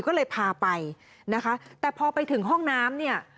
ก็เลยพาไปนะคะแต่พอไปถึงห้องน้ำเนี่ย